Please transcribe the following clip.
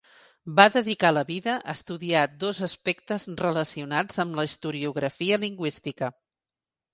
Va dedicar la vida a estudiar dos aspectes relacionats amb la historiografia lingüística.